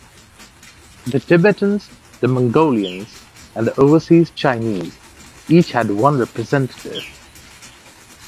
The Tibetans, the Mongolians and the overseas Chinese each had one representative.